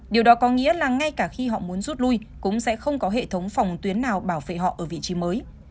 điều đó có nghĩa là ngay cả khi họ muốn rút lui cũng sẽ không có hệ thống phòng tuyến nào bảo vệ họ ở vị trí mới